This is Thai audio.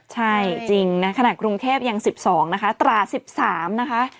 ใช่จริงนะขนาดกรุงเทพยัง๑๒นะคะตรา๑๓นะคะ